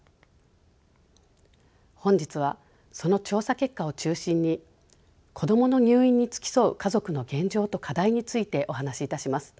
本日はその調査結果を中心に子どもの入院に付き添う家族の現状と課題についてお話しいたします。